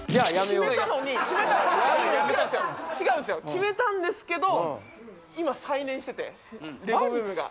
決めたんですけど今再燃しててレゴブームが。